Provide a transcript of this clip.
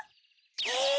え！